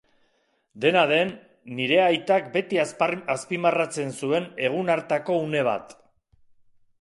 Dena den, nire aitak beti azpimarratzen zuen egun hartako une bat.